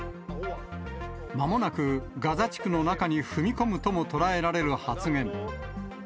まもなくガザ地区の中に踏み込むとも捉えられる発言。